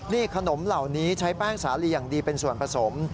นี่ขนมเหล่านี้ใช้แป้งสาลีอย่างดีเป็นส่วนผสม